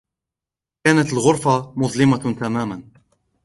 كانت الغرفة مظلمة تماما.